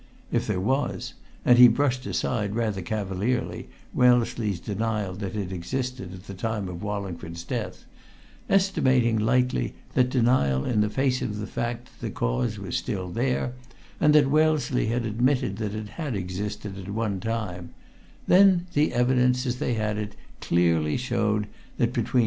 If there was and he brushed aside, rather cavalierly, Wellesley's denial that it existed at the time of Wallingford's death, estimating lightly that denial in face of the fact that the cause was still there, and that Wellesley had admitted that it had existed, at one time then the evidence as they had it clearly showed that between 7.